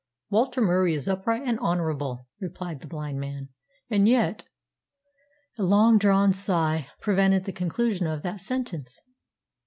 "Walter Murie is upright and honourable," replied the blind man. "And yet " A long drawn sigh prevented the conclusion of that sentence.